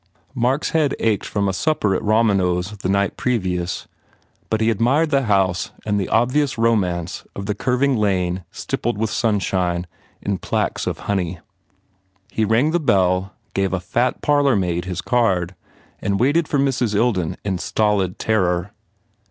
Mark s head ached from a supper at Romano s the night previous but he admired the house and the obvious romance of the curving lane stippled with sunshine in plaques of honey. He rang the bell, gave a fat parlour maid his card and waited for Mrs. Ilden in stolid terror.